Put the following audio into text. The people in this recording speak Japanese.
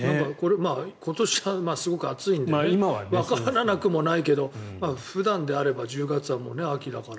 今年、すごく暑いんでわからなくもないけど普段であれば１０月はもう秋だから。